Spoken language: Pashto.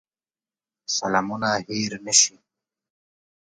سلامونه هېر نه شي.